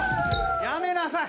やめなさい！